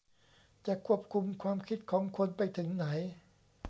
จะควบคุมความคิดของคนไปถึงไหน ?